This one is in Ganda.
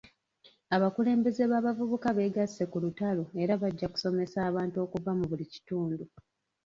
Abakulembeze b'abavubuka beegasse ku lutalo era bajja kusomesa abantu okuva mu buli kitundu.